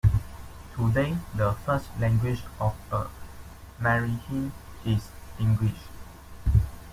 Today the first language of the Meherrin is English.